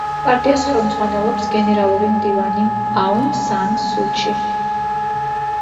პარტიას ხელმძღვანელობს გენერალური მდივანი აუნ სან სუ ჩი.